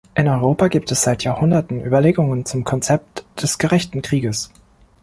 In Europa gibt es seit Jahrhunderten Überlegungen zum Konzept des gerechten Krieges.